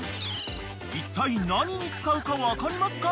いったい何に使うか分かりますか？